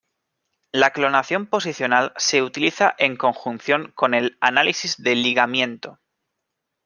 La clonación posicional se utiliza en conjunción con el análisis de ligamiento.